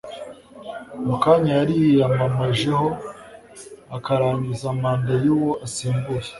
mu mwanya yari yiyamamajeho akarangiza manda y'uwo asimbuye